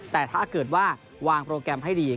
แต่ถ้าเกิดว่าวางโปรแกรมให้ดี